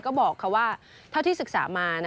ก็บอกว่าเท่าที่ศึกษามา